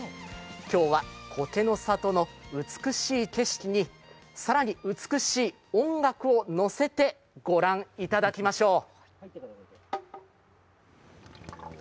今日は苔の里の美しい景色に、更に美しい音楽をのせて御覧いただきましょう。